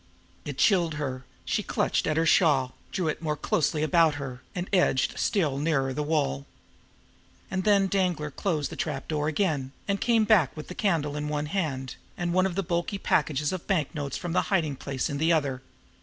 It chilled her; she clutched at her shawl, drew it more closely about her, and edged still nearer to the wall. And then Danglar closed the trap door again, and came back with the candle in one hand, and one of the bulky packages of banknotes from the hiding place in the other.